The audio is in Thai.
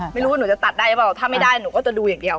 ไม่รู้ว่าหนูจะตัดได้หรือเปล่าถ้าไม่ได้หนูก็จะดูอย่างเดียว